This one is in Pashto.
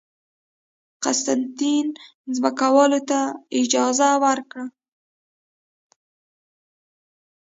قسطنطین ځمکوالو ته اجازه ورکړه